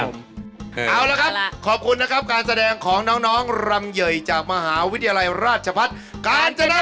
เอาละครับขอบคุณนะครับการแสดงของน้องรำเยยจากมหาวิทยาลัยราชพัฒน์กาญจน